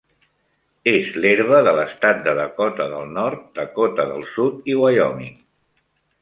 És l'herba de l'estat de Dakota del Nord, Dakota del Sud i Wyoming.